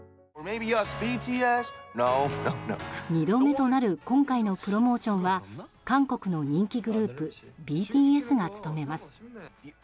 ２度目となる今回のプロモーションは韓国の人気グループＢＴＳが務めます。